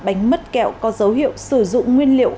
bánh mứt kẹo có dấu hiệu sử dụng nguyên liệu